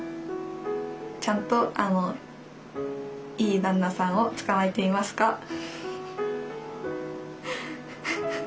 ちゃんといい旦那さんをつかまえていますか？」。